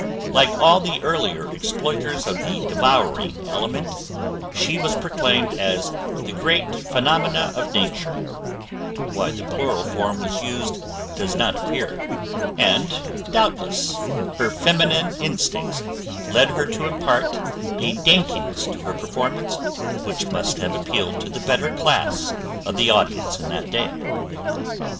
Like all the earlier exploiters of the devouring element, she was proclaimed as "The Great Phenomena of Nature" why the plural form was used does not appear and, doubtless, her feminine instincts led her to impart a daintiness to her performance which must have appealed to the better class of audience in that day.